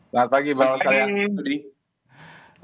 selamat pagi mbak wadid